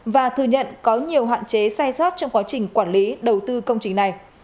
và thừa nhận có nhiều hạn chế sai sót trong quá trình quản lý đầu tư công trình này